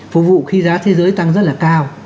phục vụ khi giá thế giới tăng rất là cao